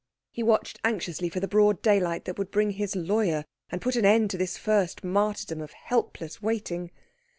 He watched anxiously for the broad daylight that would bring his lawyer and put an end to this first martyrdom of helpless waiting.